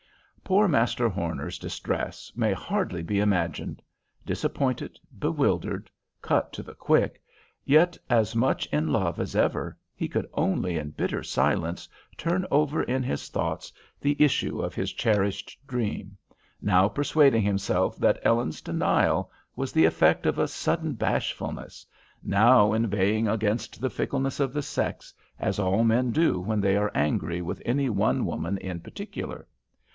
Poor Master Horner's distress may hardly be imagined. Disappointed, bewildered, cut to the quick, yet as much in love as ever, he could only in bitter silence turn over in his thoughts the issue of his cherished dream; now persuading himself that Ellen's denial was the effect of a sudden bashfulness, now inveighing against the fickleness of the sex, as all men do when they are angry with any one woman in particular.